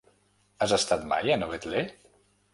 Has estat mai a Novetlè?